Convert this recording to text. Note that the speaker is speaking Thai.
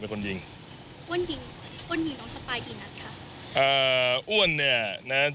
เป็นคนยิงอ้วนยิงอ้วนยิงน้องสปายกี่นัดค่ะอ่าอ้วนเนี่ยนะฮะ